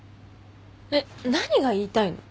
えっ何が言いたいの？